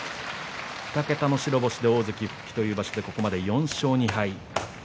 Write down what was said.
２桁の白星で大関に復帰という場所で、ここまで４勝２敗。